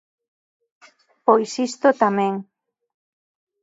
Pois isto tamén.